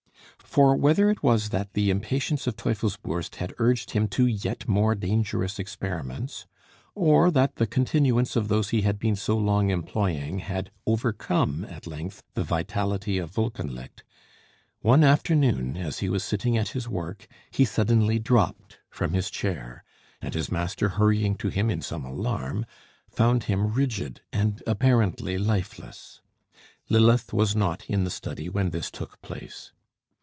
For, whether it was that the impatience of Teufelsbürst had urged him to yet more dangerous experiments, or that the continuance of those he had been so long employing had overcome at length the vitality of Wolkenlicht one afternoon, as he was sitting at his work, he suddenly dropped from his chair, and his master hurrying to him in some alarm, found him rigid and apparently lifeless. Lilith was not in the study when this took place.